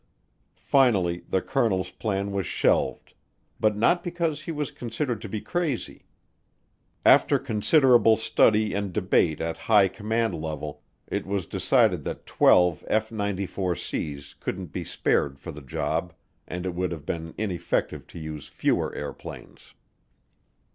Finally the colonel's plan was shelved, but not because he was considered to be crazy. After considerable study and debate at high command level, it was decided that twelve F 94C's couldn't be spared for the job and it would have been ineffective to use fewer airplanes.